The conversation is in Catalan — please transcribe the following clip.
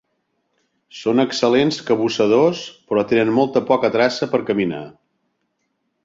Són excel·lents cabussadors, però tenen molt poca traça per caminar.